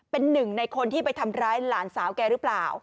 เป็นหนึ่งในคนที่ไปทำร้ายหลานสาวแกหรือเปล่า